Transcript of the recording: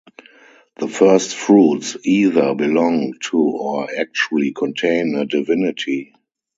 The first-fruits either belong to or actually contain a divinity.